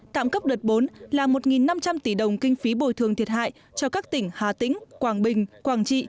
tạm cấp đợt bốn là một năm trăm linh tỷ đồng kinh phí bồi thường thiệt hại cho các tỉnh hà tĩnh quảng bình quảng trị